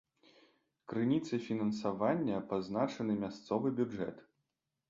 Крыніцай фінансавання пазначаны мясцовы бюджэт.